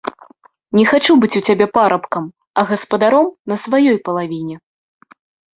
Не хачу быць у цябе парабкам, а гаспадаром на сваёй палавіне.